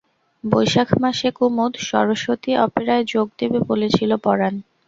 বৈশাখ মাসে কুমুদ সরস্বতী অপেরায় যোগ দেবে বলেছিল পরাণ।